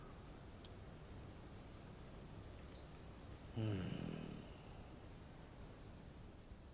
うん。